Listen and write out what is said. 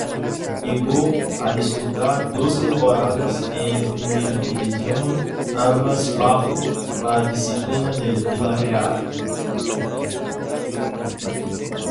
Llegó a disputar dos temporadas en Primera División, ambas bajo la disciplina del Villarreal.